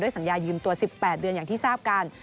สัญญายืมตัว๑๘เดือนอย่างที่ทราบกัน